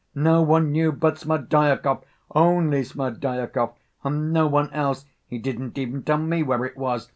No one knew but Smerdyakov, only Smerdyakov, and no one else.... He didn't even tell me where it was!